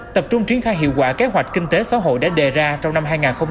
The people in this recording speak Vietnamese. tập trung triển khai hiệu quả kế hoạch kinh tế xã hội đã đề ra trong năm hai nghìn hai mươi